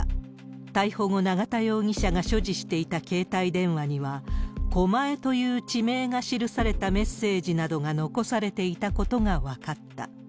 逮捕後、永田容疑者が所持していた携帯電話には、狛江という地名が記されたメッセージなどが残されていたことが分かった。